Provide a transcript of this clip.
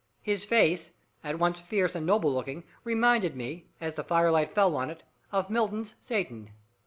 His face, at once fierce and noble looking, reminded me, as the firelight fell on it, of Milton's Satan.